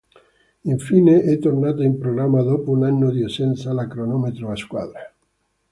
Infine, è tornata in programma dopo un anno di assenza la cronometro a squadre.